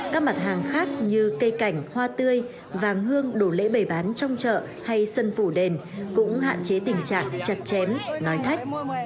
các mặt hàng khác như cây cảnh hoa tươi vàng hương đổ lễ bày bán trong chợ hay sân phủ đền cũng hạn chế tình trạng chặt chém nói thách